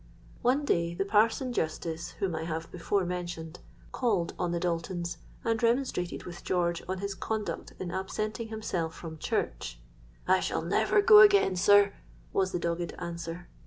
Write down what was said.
"One day the parson justice, whom I have before mentioned, called on the Daltons, and remonstrated with George on his conduct in absenting himself from church.—'I shall never go again, sir,' was the dogged answer.